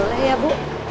neng nanti aku nunggu